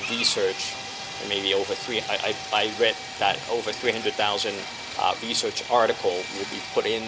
lagi menggunakan penelitian mungkin lebih dari tiga ratus artikel penelitian